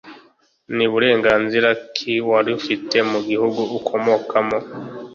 Ni burenganzira ki wari ufite mu gihugu ukomokamo